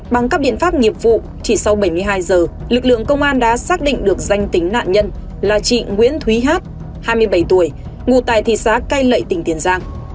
bằng các biện pháp nghiệp vụ chỉ sau bảy mươi hai giờ lực lượng công an đã xác định được danh tính nạn nhân là chị nguyễn thúy hát hai mươi bảy tuổi ngụ tại thị xã cai lậy tỉnh tiền giang